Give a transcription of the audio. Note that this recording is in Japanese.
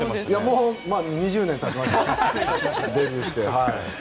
もう２０年経ちましたからデビューして。